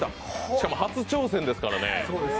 しかも初挑戦ですからね。